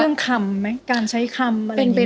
เรื่องคำไหมการใช้คำอะไรอย่างเงี้ย